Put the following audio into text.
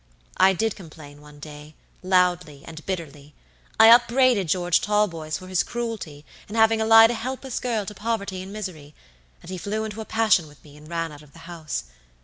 I did complain one day, loudly and bitterly; I upbraided George Talboys for his cruelty in having allied a helpless girl to poverty and misery, and he flew into a passion with me and ran out of the house.